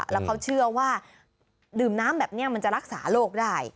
แล้วเขาเชื่อว่าดื่มน้ำแบบนี้มันจะรักษาโรคได้